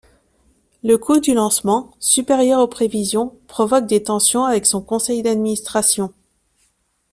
Le coût du lancement, supérieur aux prévisions, provoque des tensions avec son conseil d'administration.